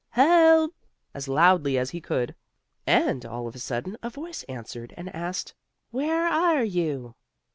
Help!" as loudly as he could. And all of a sudden a voice answered and asked: "Where are you?"